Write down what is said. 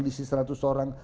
diisi seratus orang